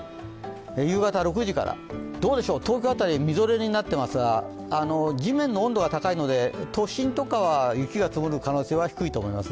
夕方６時から、どうでしょう、東京辺り、みぞれになっていますが、地面の温度が高いので都心とかは雪が積もる可能性は低いと思います。